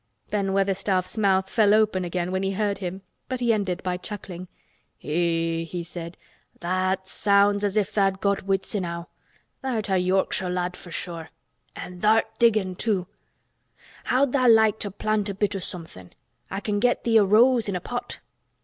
Ben Weatherstaff's mouth fell open again when he heard him, but he ended by chuckling. "Eh!" he said, "that sounds as if tha'd got wits enow. Tha'rt a Yorkshire lad for sure. An' tha'rt diggin', too. How'd tha' like to plant a bit o' somethin'? I can get thee a rose in a pot."